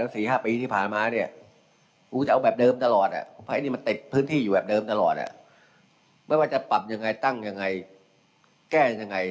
ซึมติดตั้งยังไงกล้ายังไง